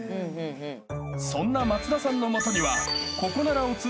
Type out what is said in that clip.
［そんな松田さんの元には］